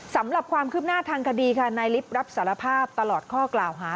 สำหรับความคืบหน้าทางคดีค่ะนายลิฟต์รับสารภาพตลอดข้อกล่าวหา